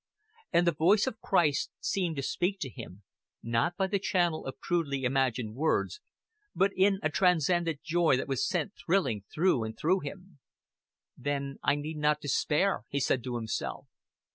And the voice of Christ seemed to speak to him, not by the channel of crudely imagined words, but in a transcendent joy that was sent thrilling through and through him. "Then I need not despair," he said to himself.